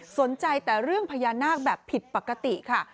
สนใจแต่เรื่องพญานาคแบบผิดปกติค่ะ